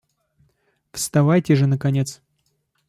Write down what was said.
Вставайте же, наконец!